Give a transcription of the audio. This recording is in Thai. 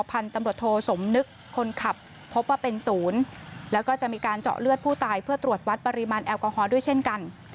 พันธุ์ตำรวจโทสมนึกคนขับพบว่าเป็นศูนย์แล้วก็จะมีการเจาะเลือดผู้ตายเพื่อตรวจวัดปริมาณแอลกอฮอล์ด้วยเช่นกัน